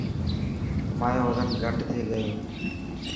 مايو وزن گهٽ ٿي گيو.